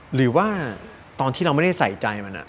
หรือว่าตอนที่เราไม่ได้ใส่ใจมัน